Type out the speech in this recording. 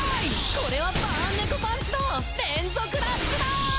これはバーンネコパンチの連続ラッシュだぁ！